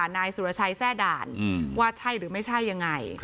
นายสุรชัยแทร่ด่านว่าใช่หรือไม่ใช่ยังไง